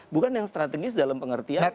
bukan yang strategis dalam pengertian